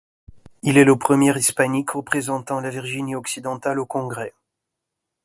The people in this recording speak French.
Il est le premier hispanique représentant la Virginie-Occidentale au Congrès.